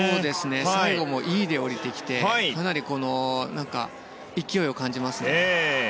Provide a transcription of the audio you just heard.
最後もＥで下りてきてかなり勢いを感じますね。